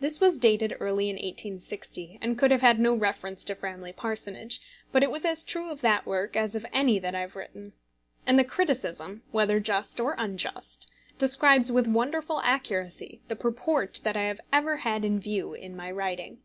This was dated early in 1860, and could have had no reference to Framley Parsonage; but it was as true of that work as of any that I have written. And the criticism, whether just or unjust, describes with wonderful accuracy the purport that I have ever had in view in my writing.